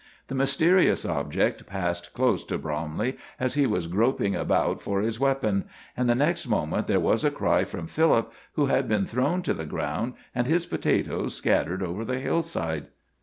The mysterious object passed close to Bromley as he was groping about for his weapon, and the next moment there was a cry from Philip, who had been thrown to the ground and his potatoes scattered over the hillside.